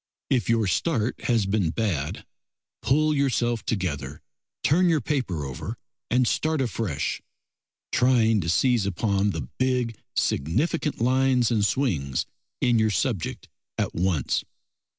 If your start has been bad, pull yourself together, turn your paper over and start afresh, trying to seize upon the big, significant lines and swings in your subject at once.